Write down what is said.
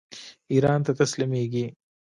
ایران ته تسلیمیږي.